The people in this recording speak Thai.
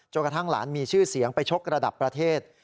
กระทั่งหลานมีชื่อเสียงไปชกระดับประเทศ